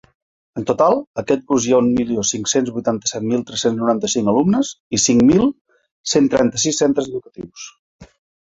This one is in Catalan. En total, aquest curs hi ha un milió cinc-cents vuitanta-set mil tres-cents noranta-cinc alumnes i cinc mil cent trenta-sis centres educatius.